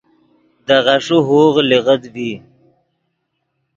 دے غیݰے ہوغ لیغت ڤی